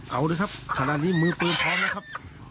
เอาเลยครับขนาดนี้มือปืนพร้อมนะครับ